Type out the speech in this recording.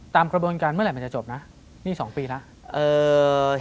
ตามกระบวนการเมื่อไหร่มันจะจบนะนี่๒ปีแล้ว